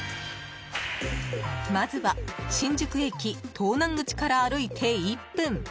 まずは新宿駅東南口から歩いて１分。